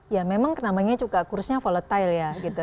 ya memang namanya juga kursnya volatile ya gitu